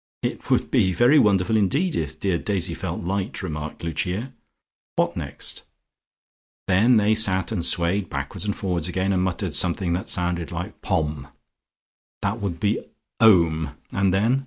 '" "It would be very wonderful indeed if dear Daisy felt light," remarked Lucia. "What next?" "Then they sat and swayed backwards and forwards again and muttered something that sounded like Pom!" "That would be 'Om', and then?"